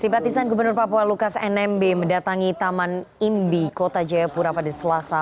sibatisan gubernur papua lukas nmb mendatangi taman imbi kota jayapura padeselasa